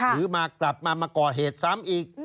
หรือมากลับมาก่อเหตุซ้ำอีก